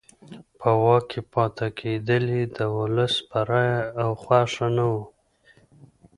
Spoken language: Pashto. په واک کې پاتې کېدل یې د ولس په رایه او خوښه نه وو.